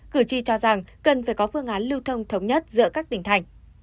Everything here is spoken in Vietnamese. cử tri cho rằng cần phải có phương án lưu thông thống nhất giữa các tỉnh thành